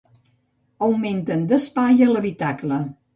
Augment d'espai a l'habitacle.